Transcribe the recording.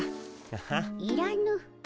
いらぬ。